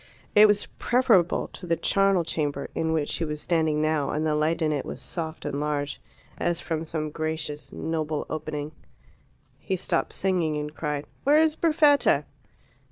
It was preferable to the charnel chamber in which she was standing now, and the light in it was soft and large, as from some gracious, noble opening. He stopped singing, and cried "Where is Perfetta?"